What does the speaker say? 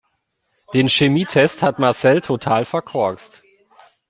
Den Chemietest hat Marcel total verkorkst.